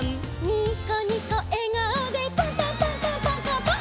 「ニコニコえがおでパンパンパンパンパンパンパン！！」